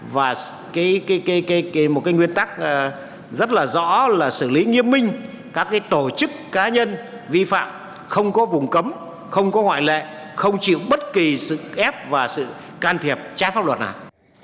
và một nguyên tắc rất là rõ là xử lý nghiêm minh các tổ chức cá nhân vi phạm không có vùng cấm không có ngoại lệ không chịu bất kỳ sự ép và sự can thiệp trái pháp luật nào